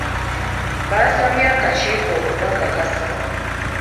Baasabye akakiiko okubakakasa.